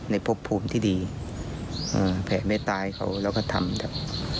ในภพภูมิที่ดีแผลเมตตาเขาแล้วก็ทำแบบนี้